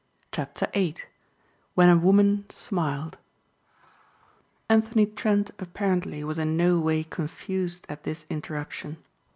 CHAPTER VIII WHEN A WOMAN SMILED ANTHONY TRENT apparently was in no way confused at this interruption.